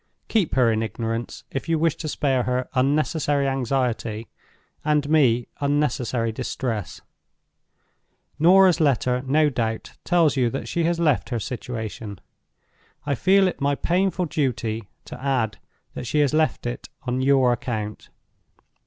Keep her in ignorance, if you wish to spare her unnecessary anxiety, and me unnecessary distress. "Norah's letter, no doubt, tells you that she has left her situation. I feel it my painful duty to add that she has left it on your account.